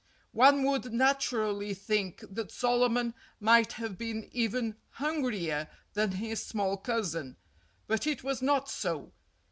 One would naturally think that Solomon might have been even hungrier than his small cousin. But it was not so.